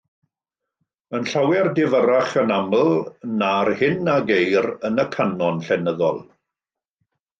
Yn llawer difyrrach yn aml na'r hyn a geir yn y canon llenyddol.